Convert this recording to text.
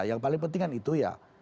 yang paling penting kan itu ya